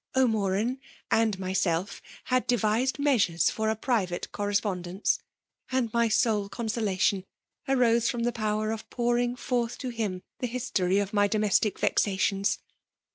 O'Moran and myself had devised measures for a private correspondence, and my sole consolation arose from the power of pouring forth to him the history of my do^ mestic vexations.